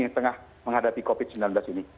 yang tengah menghadapi covid sembilan belas ini